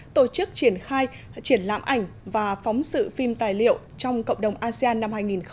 tổ chức triển khai triển lãm ảnh và phóng sự phim tài liệu trong cộng đồng asean năm hai nghìn hai mươi